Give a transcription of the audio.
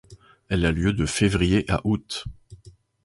Elle a lieu de février à août.